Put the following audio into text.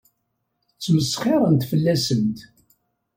Ttmesxiṛent fell-asent.